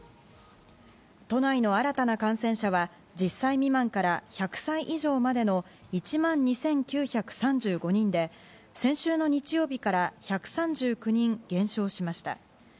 都内の新たな感染者は１０歳未満から１００歳以上までの１万２９３５人で先週の日曜日から１３９人減少しました。